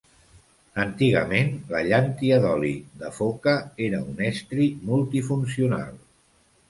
Antigament la llàntia d'oli de foca era un estri multifuncional.